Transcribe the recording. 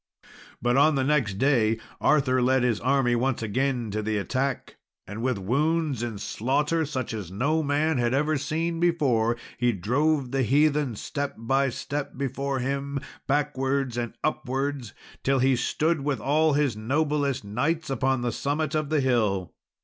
But on the next day Arthur led his army once again to the attack, and with wounds and slaughter such as no man had ever seen before, he drove the heathen step by step before him, backwards and upwards, till he stood with all his noblest knights upon the summit of the hill.